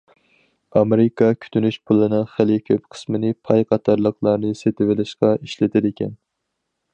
ئامېرىكا كۈتۈنۈش پۇلىنىڭ خېلى كۆپ قىسمىنى پاي قاتارلىقلارنى سېتىۋېلىشقا ئىشلىتىدىكەن.